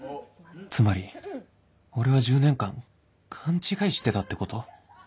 つまり俺は１０年間勘違いしてたってこと？